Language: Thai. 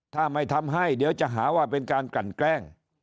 ถ้าไม่ทำให้เดี๋ยวจะหาว่าเป็นการกลั่นแกล้ง